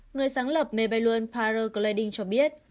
người sáng lập mê bay luân paragliding cho biết